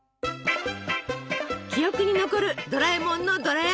記憶に残るドラえもんのドラやき愛！